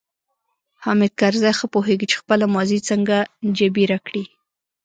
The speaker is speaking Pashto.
حامد کرزی ښه پوهیږي چې خپله ماضي څنګه جبیره کړي.